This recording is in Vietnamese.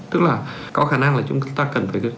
tức là có khả năng là chúng ta cần phải